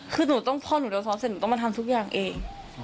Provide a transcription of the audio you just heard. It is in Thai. คือหนูต้องพ่อหนูโดนซ้อมเสร็จหนูต้องมาทำทุกอย่างเอง